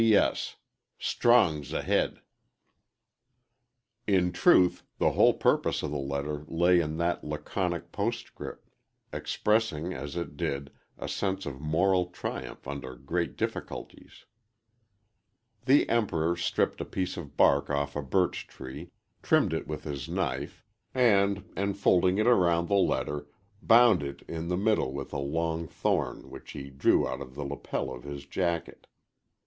"P. S. Strong's ahed."_ In truth, the whole purpose of the letter lay in that laconic postscript, expressing, as it did, a sense of moral triumph under great difficulties. The Emperor stripped a piece of bark off a birch tree, trimmed it with his knife, and, enfolding it around the letter, bound it in the middle with a long thorn which he drew out of the lapel of his "jacket."